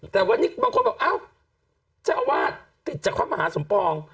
แต่วันนี้บางคนบอกอ้าวเจ้าอาวาสติดจากพระมหาสมปอง